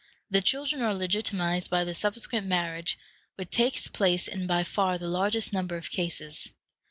The children are legitimatized by the subsequent marriage, which takes place in by far the largest number of cases.